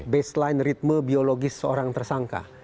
baseline ritme biologis seorang tersangka